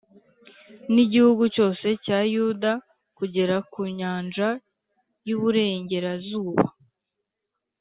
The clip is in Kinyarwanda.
n’igihugu cyose cya Yuda kugera ku nyanja y’iburengerazuba,